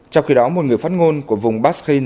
trong khi đó một người phát ngôn của vùng bashin